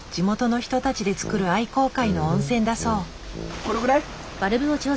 このぐらい？